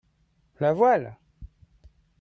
La voile.